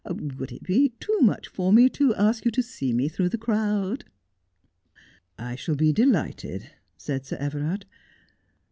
"Would it be too much for me to ask you to see me through the crowd 1 '' I shall be delighted, 1 said Sir Everard.